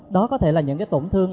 đó có thể là những cái tổn thương